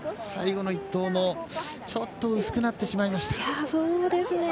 最後の１投、ちょっと薄くなってしまいました。